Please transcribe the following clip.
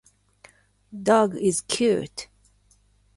Dog is cute.